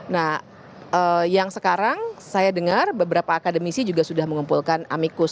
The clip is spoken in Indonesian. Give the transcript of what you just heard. nah yang sekarang saya dengar beberapa akademisi juga sudah mengumpulkan amikus